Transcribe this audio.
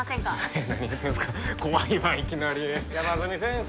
えっ何言うてるんですか怖いわいきなり山住先生